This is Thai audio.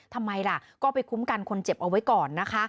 ทำไมล่ะก็ไปคุ้มกันคนเจ็บเอาไว้ก่อนนะคะ